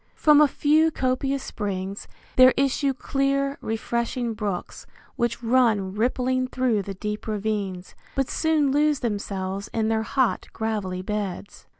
From a few copious springs there issue clear, refreshing brooks, which run rippling through the deep ravines, but soon lose themselves in their hot, gravelly beds.